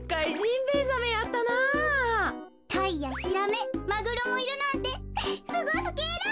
タイやヒラメマグロもいるなんてすごすぎる！